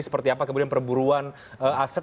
seperti apa kemudian perburuan aset